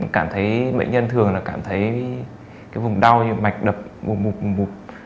cảm thấy bệnh nhân thường là cảm thấy vùng đau như mạch đập mục mục mục mục